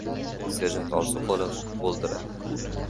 Serjant Orziqulov g‘o‘ldiradi.